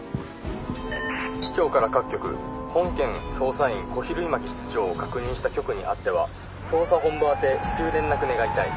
警視庁から各局本件捜査員小比類巻室長を確認した局にあっては捜査本部宛て至急連絡願いたい